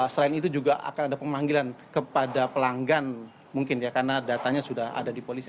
selain itu juga akan ada pemanggilan kepada pelanggan mungkin ya karena datanya sudah ada di polisi